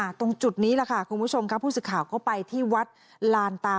อะตรงจุดนี้ล่ะค่ะคุณผู้ชมครับภูมิศึกข่าก็ไปที่วัดลานตา